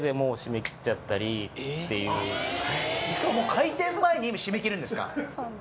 開店前に締め切るんですか？